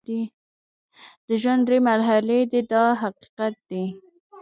د ژوند درې مرحلې دي دا حقیقت دی.